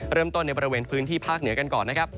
ในบริเวณพื้นที่ภาคเหนือกันก่อนนะครับ